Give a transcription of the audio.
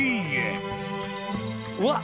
うわっ！